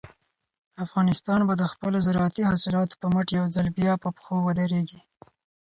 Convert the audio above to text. افغانستان به د خپلو زارعتي حاصلاتو په مټ یو ځل بیا په پښو ودرېږي.